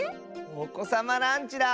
おこさまランチだ！